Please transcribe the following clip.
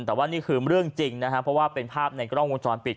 แต่ว่านี่คือเรื่องจริงนะครับเพราะว่าเป็นภาพในกล้องวงจรปิด